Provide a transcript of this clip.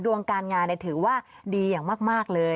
ดวงการงานถือว่าดีอย่างมากเลย